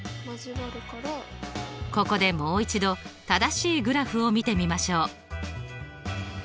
ここでもう一度正しいグラフを見てみましょう。